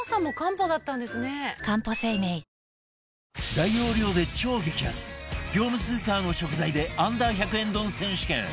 大容量で超激安業務スーパーの食材で Ｕ−１００ 円丼選手権